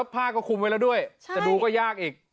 ผ้าก็คุมไว้แล้วด้วยจะดูก็ยากอีก